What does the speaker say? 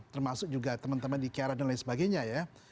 termasuk juga teman teman di kiara dan lain sebagainya ya